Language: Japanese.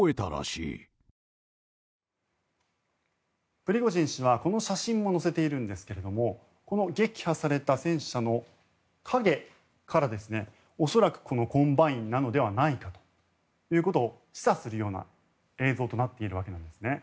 プリゴジン氏はこの写真も載せているんですがこの撃破された戦車の影から恐らくこのコンバインなのではないかということを示唆するような映像となっているわけです。